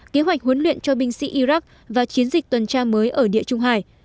kế hoạch huấn luyện cho binh sĩ iraq và chiến dịch tuần tra mới ở địa trung hải